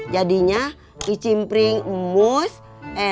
jadinya kicimpring mus eh sih dan emak